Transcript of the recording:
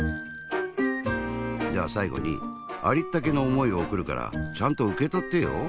じゃあさいごにありったけのおもいをおくるからちゃんとうけとってよ。